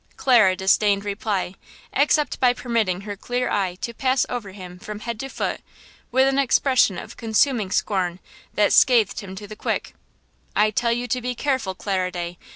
Clara disdained reply, except by permitting her clear eye to pass over him from head to foot with an expression of consuming scorn that scathed him to the quick. "I tell you to be careful, Clara Day!